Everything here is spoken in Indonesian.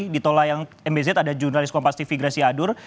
di tola yang mbz ada jurnalis kompas tv gracie adur